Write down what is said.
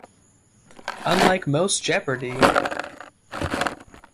Unlike most Jeopardy!